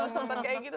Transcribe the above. sempet kayak gitu